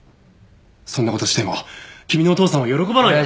そんな事をしても君のお父さんは喜ばない。